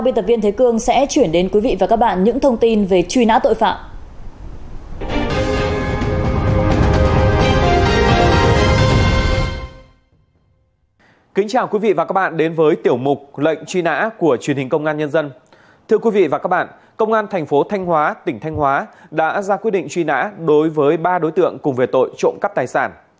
đã ra quyết định truy nã đối với ba đối tượng cùng về tội trộm cắt tài sản